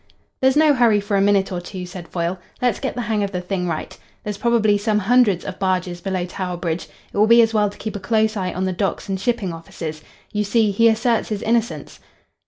"There's no hurry for a minute or two," said Foyle. "Let's get the hang of the thing right. There's probably some hundreds of barges below Tower Bridge. It will be as well to keep a close eye on the docks and shipping offices. You see, he asserts his innocence."